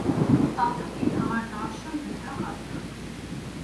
তথাপি আমার দর্শন বৃথা হয় না।